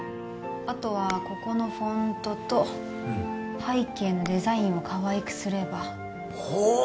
あとはここのフォントと背景のデザインをかわいくすればほ